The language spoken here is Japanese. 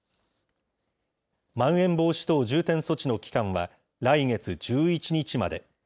まん延防止等重点措置の期間は、来月１１日まで。